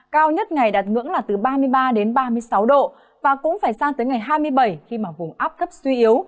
cao nhất ngày đạt ngưỡng là từ ba mươi ba đến ba mươi sáu độ và cũng phải sang tới ngày hai mươi bảy khi mà vùng áp thấp suy yếu